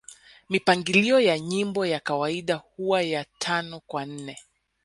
Mipangilio ya nyimbo ya kawaida huwa ya Tano kwa nne